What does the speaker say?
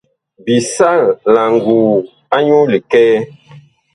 Bi sal la nguu anyuu likɛɛ.